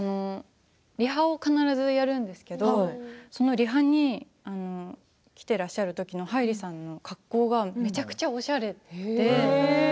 リハを必ずやるんですけれどリハに来ているときのはいりさんの格好がめちゃめちゃおしゃれで。